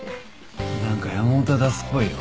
何か山本は出すっぽいよ。